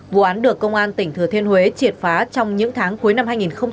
vụ án được công an tỉnh thừa thiên huế triệt phá trong những tháng cuối năm hai nghìn hai mươi ba